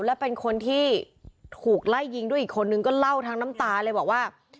และเป็นคนที่ถูกไล่ยิงด้วยอีกคนนึงก็เล่าทั้งน้ำตาเลยบอกว่า